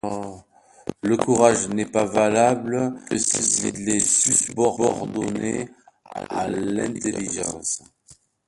Le courage n'est valable que s'il est subordonné à l'intelligence.